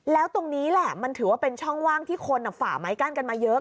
แล้วตรงนี้แหละมันถือว่าเป็นช่องว่างที่คนฝ่าไม้กั้นกันมาเยอะ